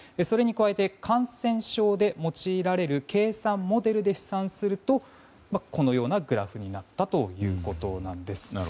それに加えて感染症で用いられる計算モデルで試算するとこのようなグラフになったということなんです。